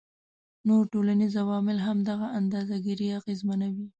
نور ټولنیز عوامل هم دغه اندازه ګيرۍ اغیزمنوي